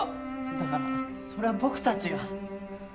だからそれは僕たちが。